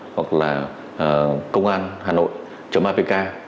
hoặc là công an hà nội apk